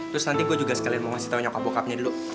terus nanti gue juga sekalian mau ngasih tau nyokap bokapnya dulu